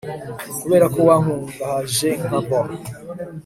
kubera ko wankungahaje nka bo